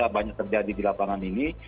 banyak terjadi di lapangan ini